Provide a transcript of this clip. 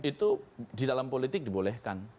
itu di dalam politik dibolehkan